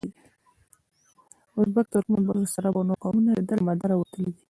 ازبک، ترکمن، بلوڅ، عرب او نور قومونه دده له مداره وتلي دي.